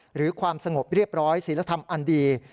หรือความสงบเรียบร้อยศิลธรรมอันดี